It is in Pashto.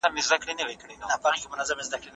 د زده کړي پروسه کله ناکله ستړي کوونکي وي.